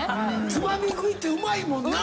つまみ食いってうまいもんな。